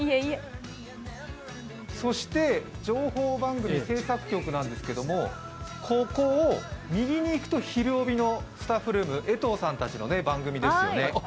そして情報番組制作局なんですけれどもここを右に行くと「ひるおび！」のスタッフルーム、江藤さんたちの番組ですよね。